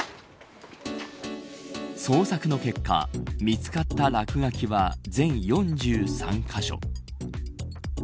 捜索の結果見つかった落書きは全４３カ所。